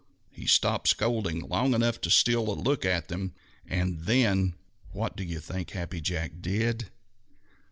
He stopped scolding long enough to steal a look at them, and then what do you think Happy Jack did?